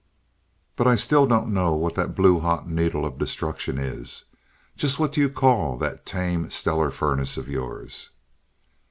But I still don't know what that blue hot needle of destruction is. Just what do you call that tame stellar furnace of yours?"